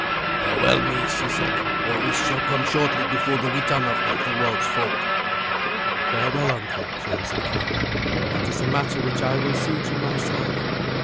"Farewell, niece," he said; "all this shall come shortly before the Witan of Ethelwald's folk." "Farewell, uncle," she answered calmly. "That is a matter which I will see to myself.